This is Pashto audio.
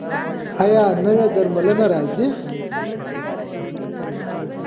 ایا نوې درملنه راځي؟